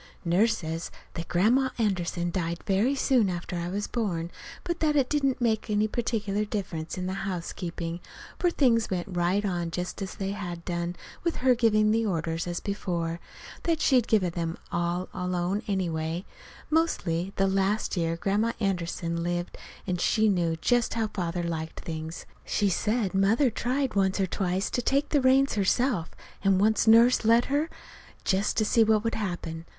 Nurse says that Grandma Anderson died very soon after I was born, but that it didn't make any particular difference in the housekeeping; for things went right on just as they had done, with her giving the orders as before; that she'd given them all alone anyway, mostly, the last year Grandma Anderson lived, and she knew just how Father liked things. She said Mother tried once or twice to take the reins herself, and once Nurse let her, just to see what would happen.